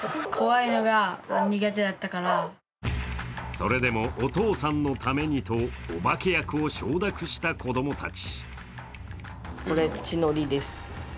それでもお父さんのためにとお化け役を承諾した子供たち。